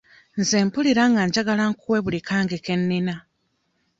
Nze mpulira nga njagala nkuwe buli kange ke nnina.